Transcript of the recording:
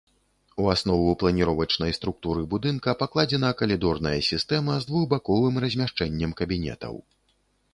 У аснову планіровачнай структуры будынка пакладзена калідорная сістэма з двухбаковым размяшчэннем кабінетаў.